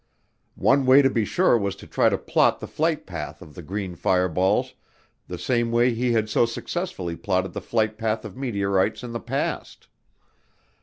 One way to be sure was to try to plot the flight path of the green fireballs the same way he had so successfully plotted the flight path of meteorites in the past.